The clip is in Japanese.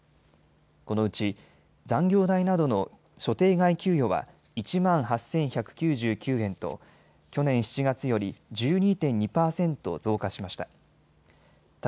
このうち残業代などの所定外給与は１万８１９９円と去年７月より１２．２％増加しました。